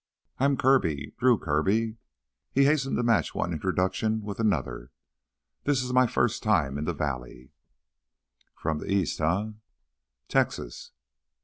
"I'm Kirby, Drew Kirby." He hastened to match one introduction with another. "This is my first time in the valley—" "From th' east, eh?" "Texas."